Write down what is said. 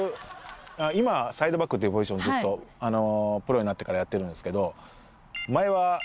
今サイドバックっていうポジションずっとプロになってからやってるんですけど。